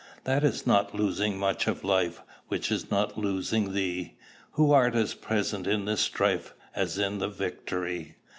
That is not losing much of life Which is not losing thee, Who art as present in the strife As in the victory.